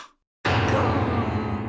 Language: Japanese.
ガーン。